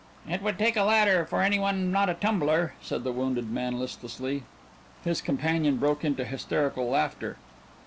"It would take a ladder for any one not a tumbler," said the wounded man listlessly. His companion broke into hysterical laughter.